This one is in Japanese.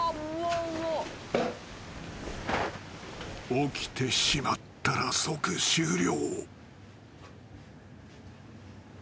［起きてしまったら即終了］